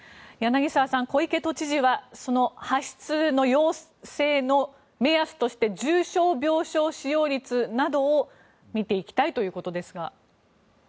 柳澤さん、小池都知事は発出の要請の目安として重症病床使用率などを見ていきたいということですが。